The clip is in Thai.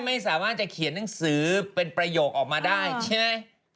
ไม่สามารถจะเขียนหนังสือเป็นประโยคออกมาได้ใช่ไหม